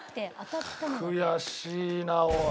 悔しいなおい。